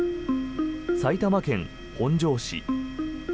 埼玉県本庄市。